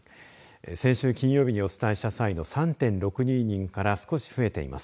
先週金曜日にお伝えした際の３．６２人から少し増えています。